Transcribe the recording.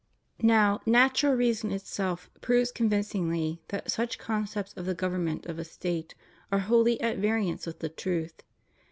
123 Now, natural reason itself proves convincingly that such concepts of the government of a State are wholly at variance with the truth.